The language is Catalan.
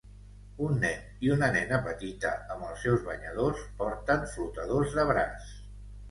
Un nen i una nena petita amb els seus banyadors porten flotadors de braç.